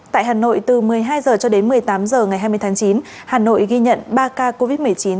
tại hà nội từ một mươi hai h cho đến một mươi tám h ngày hai mươi tháng chín hà nội ghi nhận ba ca covid một mươi chín